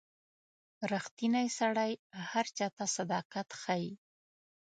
• ریښتینی سړی هر چاته صداقت ښيي.